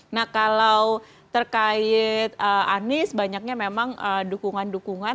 nah kalau terkait anies banyaknya memang dukungan dukungan